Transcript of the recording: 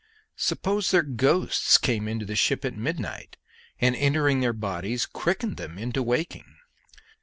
Suppose their ghosts came to the ship at midnight, and, entering their bodies, quickened them into walking?